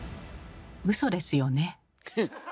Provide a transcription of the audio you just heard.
うそですよね。